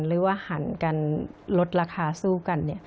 หรือว่าหันกันลดราคาสู้กัน